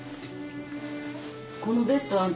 このベッドあんた